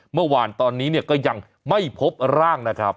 เมื่อวานนี้เนี่ยก็ยังไม่พบร่างนะครับ